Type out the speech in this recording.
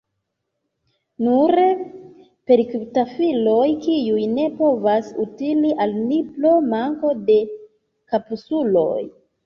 Nur perkutpafiloj, kiuj ne povas utili al ni, pro manko de kapsuloj.